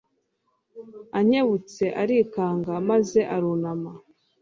ankebutse arikanga maze arunama